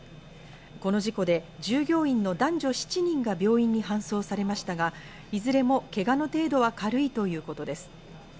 この事故で従業員の男女７人が病院に搬送されましたがいずれもけがの程度は軽いということです。